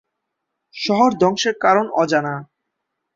শহর ধ্বংসের কারণ অজানা।